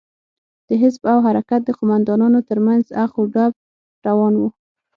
د حزب او حرکت د قومندانانو تر منځ اخ و ډب روان و.